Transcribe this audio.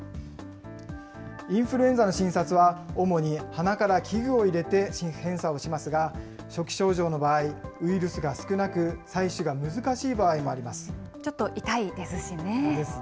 インフルエンザの診察は、主に鼻から器具を入れて検査をしますが、初期症状の場合、ウイルスが少なく、採取が難しい場合もあります。ですね。